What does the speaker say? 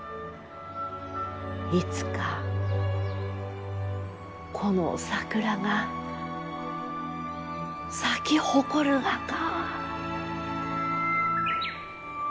いつかこの桜が咲き誇るがか。